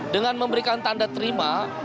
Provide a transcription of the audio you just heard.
dengan memberikan tanda terima